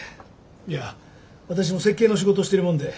いや私も設計の仕事をしているもんで。